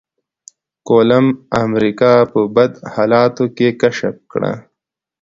کولمب امريکا په بد حالاتو کې کشف کړه.